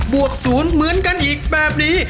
วก๐เหมือนกันอีกแบบนี้